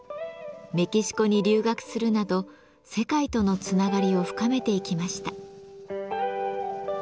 メキシコに留学するなど世界とのつながりを深めていきました。